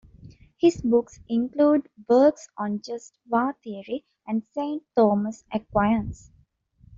His books include works on just war theory and Saint Thomas Aquinas.